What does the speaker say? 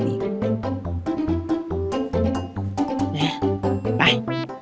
แม่ไป